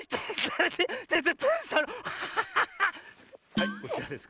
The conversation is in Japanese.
はいこちらです。